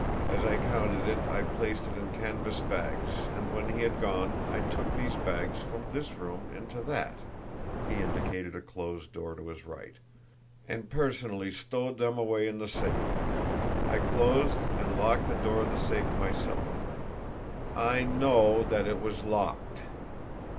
As I counted it I placed it in canvas bags and when he had gone I took these bags from this room into that," he indicated a closed door to his right, "and personally stowed them away in the safe. I closed and locked the door of the safe myself; I know that it was locked.